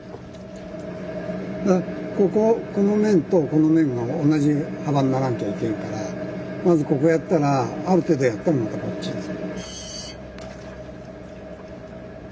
こここの面とこの面が同じ幅にならんといけんからまずここやったらある程度やったらまたこっち。